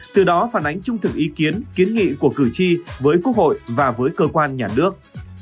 từ đó phản ánh trung thực ý kiến kiến nghị của cử tri với quốc hội và với cơ quan nhà nước